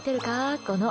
この。